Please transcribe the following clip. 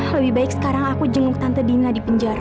lebih baik sekarang aku jenguk tante dina di penjara